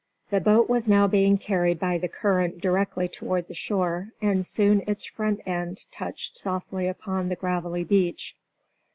The boat was now being carried by the current directly toward the shore, and soon its front end touched softly upon the gravelly beach.